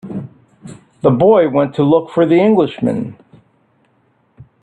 The boy went to look for the Englishman.